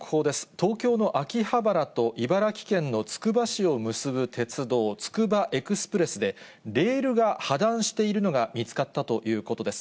東京の秋葉原と茨城県のつくば市を結ぶ鉄道、つくばエクスプレスで、レールが破断しているのが見つかったということです。